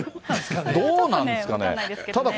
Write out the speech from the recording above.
どうなんですかね。